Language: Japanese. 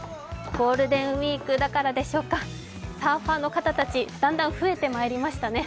ゴールデンウイークだからでしょうか、サーファーの方たちだんだん増えてまいりましたね。